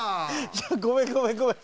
ごめんごめんごめん。